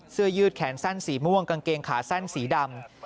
ยืดแขนสั้นสีม่วงกางเกงขาสั้นสีดำ